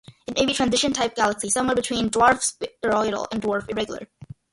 It may be transition-type galaxy, somewhere between dwarf spheroidal and dwarf irregular.